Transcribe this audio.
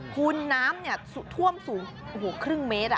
คุณน้ำท่วมสูงครึ่งเมตร